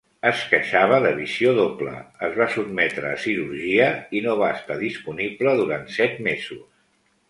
Es queixava de visió doble, es va sotmetre a cirurgia i no va estar disponible durant set mesos.